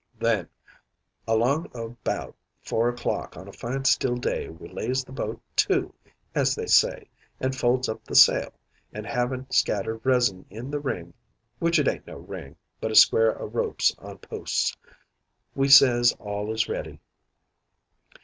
"Then along o' about four o'clock on a fine still day we lays the boat to, as they say, an' folds up the sail, an' havin' scattered resin in the ring (which it ain't no ring, but a square o' ropes on posts), we says all is ready.